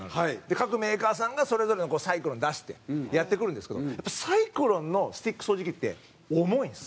各メーカーさんがそれぞれのサイクロン出してやってくるんですけどやっぱり、サイクロンのスティック掃除機って重いんです。